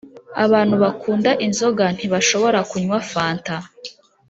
abantu bakunda inzoga ntibashobora nkunywa fanta